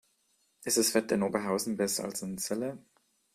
Ist das Wetter in Oberhausen besser als in Celle?